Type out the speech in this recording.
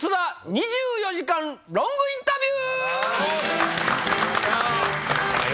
２４時間ロングインタビュー。